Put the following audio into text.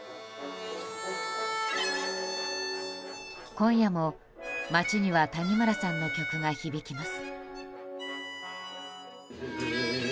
今夜も、街には谷村さんの曲が響きます。